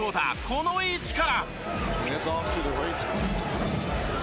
この位置から！